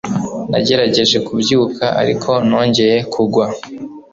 nagerageje kubyuka, ariko nongeye kugwa